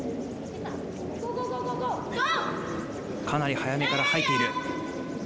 かなり早めからはいている。